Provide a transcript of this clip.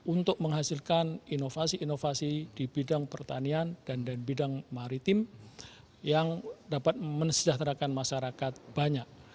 untuk menghasilkan inovasi inovasi di bidang pertanian dan bidang maritim yang dapat mensejahterakan masyarakat banyak